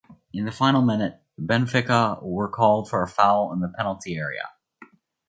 In the final minute, Benfica were called for a foul in the penalty area.